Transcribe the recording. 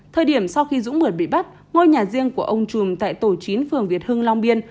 thời điểm sau khi dũng mượt bị bắt ngôi nhà riêng của ông trùm tại tổ chín phường việt hưng long biên